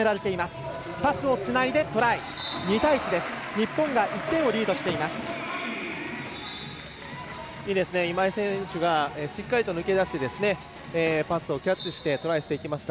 日本が１点をリードしています。